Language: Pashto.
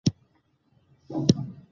د افغانستان په جغرافیه کې ښارونه اهمیت لري.